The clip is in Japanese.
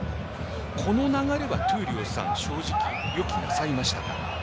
この流れは闘莉王さん、正直予期なさいましたか。